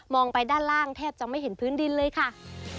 ไปด้านล่างแทบจะไม่เห็นพื้นดินเลยค่ะ